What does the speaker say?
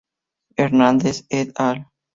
Hernández, "et al.